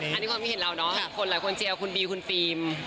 อันนี้ความคิดเห็นเราเนาะคนหลายคนเชียร์คุณบีคุณฟิล์ม